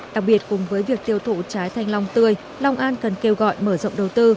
đặc biệt cùng với việc tiêu thụ trái thanh long tươi long an cần kêu gọi mở rộng đầu tư